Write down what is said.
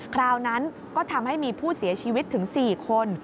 คราวนั้นก็ทำให้มีผู้เสียชีวิตถึง๔คน